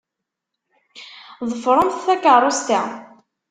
Ḍefṛemt takeṛṛust-a.